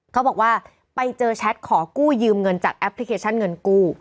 เขาบอกว่าไปเจอแชทขอกู้ยืมเงินจากแอปพลิเคชันเงินกู้